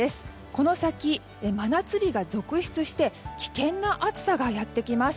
この先、真夏日が続出して危険な暑さがやってきます。